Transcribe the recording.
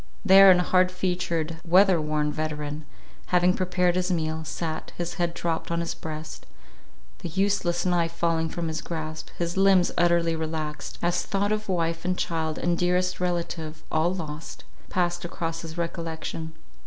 There an hard featured, weather worn veteran, having prepared his meal, sat, his head dropped on his breast, the useless knife falling from his grasp, his limbs utterly relaxed, as thought of wife and child, and dearest relative, all lost, passed across his recollection.